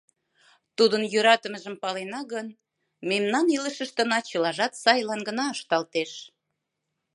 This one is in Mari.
Тудын йӧратымыжым палена гын, мемнан илышыштына чылажат сайлан гына ышталтеш.